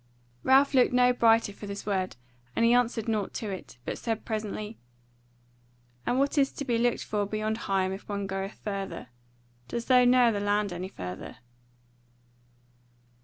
Ralph looked no brighter for this word, and he answered nought to it: but said presently: "And what is to be looked for beyond Higham if one goeth further? Dost thou know the land any further?"